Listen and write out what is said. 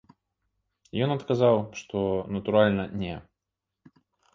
Ён адказаў, што, натуральна, не.